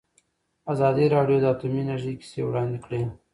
ازادي راډیو د اټومي انرژي کیسې وړاندې کړي.